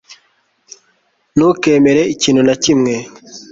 ntukemere ikintu na kimwe